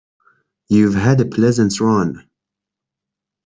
You’ve had a pleasant run!